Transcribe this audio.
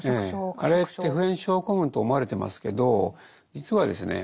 あれって普遍症候群と思われてますけど実はですね